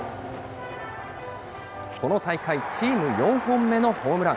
この大会、チーム４本目のホームラン。